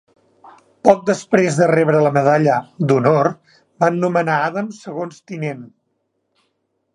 Poc després de rebre la Medalla d'Honor, van nomenar Adams segon tinent.